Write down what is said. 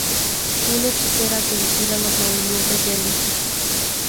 Una hechicera que vigila los movimientos de Alita.